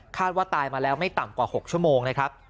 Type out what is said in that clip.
คาดว่าตายมาแล้วไม่ต่ำกว่า๖ชั่วโมง